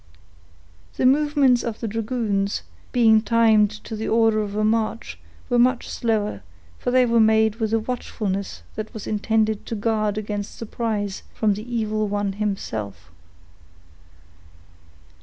The movements of the dragoons, being timed to the order of a march, were much slower, for they were made with a watchfulness that was intended to guard against surprise from the evil one himself.